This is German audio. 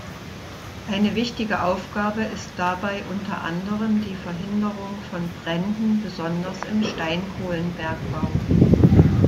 Eine wichtige Aufgabe ist dabei unter anderem die Verhinderung von Bränden besonders im Steinkohlenbergbau.